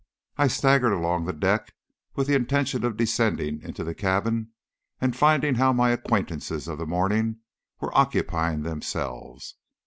I staggered along the deck with the intention of descending into the cabin and finding how my acquaintances of the morning were occupying themselves.